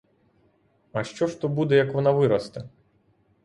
А що ж то буде, як вона виросте?